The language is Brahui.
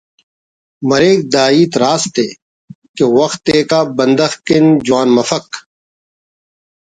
مریک دا ہیت راست ءِ کہ وخت یکا بندغ کن جوان مفک